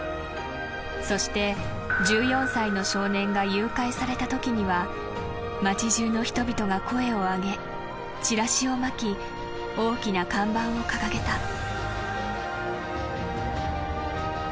［そして１４歳の少年が誘拐されたときには町じゅうの人々が声を上げチラシを巻き大きな看板を掲げた］